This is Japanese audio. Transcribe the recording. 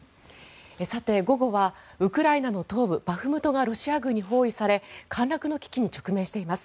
さて、午後はウクライナの東部バフムトがロシア軍に包囲され陥落の危機に直面しています。